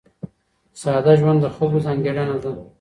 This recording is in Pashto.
ساده ژوند د خلکو ځانګړنه ده.